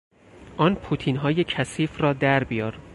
آن پوتینهای کثیف را در بیار!